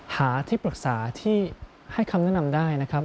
หาที่ปรึกษาที่ให้คำแนะนำได้นะครับ